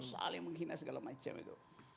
saling menghina segala macam itu